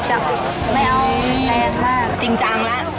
จริงจังแล้ว